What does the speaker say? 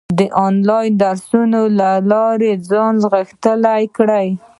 د انلاین کورسونو له لارې ځان غښتلی کړه.